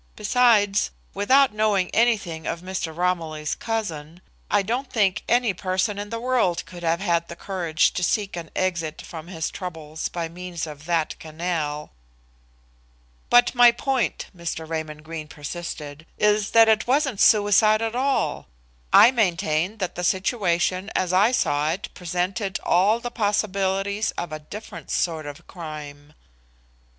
"Besides, without knowing anything of Mr. Romilly's cousin, I don't think any person in the world could have had the courage to seek an exit from his troubles by means of that canal." "But my point," Mr. Raymond Greene persisted, "is that it wasn't suicide at all. I maintain that the situation as I saw it presented all the possibilities of a different sort of crime."